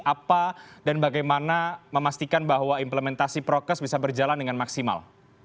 apa dan bagaimana memastikan bahwa implementasi prokes bisa berjalan dengan maksimal